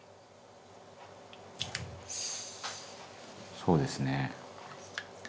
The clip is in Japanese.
「そうですね」